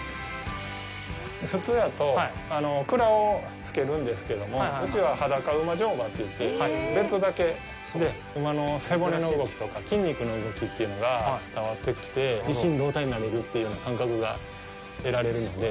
普通やと鞍をつけるんですけども、うちは裸馬乗馬といって、ベルトだけで、馬の背骨の動きとか筋肉の動きというのが伝わってきて一心同体になれるというような感覚が得られるので。